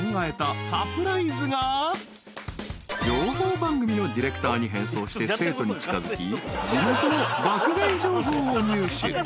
［情報番組のディレクターに変装して生徒に近づき地元の爆買い情報を入手］